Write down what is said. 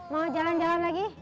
mau jalan jalan lagi